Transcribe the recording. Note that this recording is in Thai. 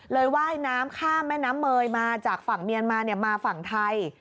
ว่ายน้ำข้ามแม่น้ำเมยมาจากฝั่งเมียนมามาฝั่งไทย